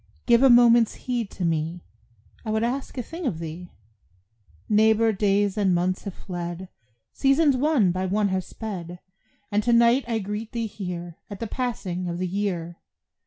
Give a moment's heed to me, I would ask a thing of thee. Neighbor, days and months have fled, Seasons one by one have sped, And to night I greet thee here At the passing of the year.